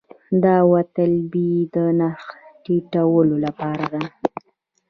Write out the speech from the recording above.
داوطلبي د نرخ ټیټولو لپاره ده